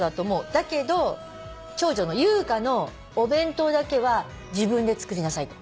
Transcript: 「だけど優香のお弁当だけは自分で作りなさい」って。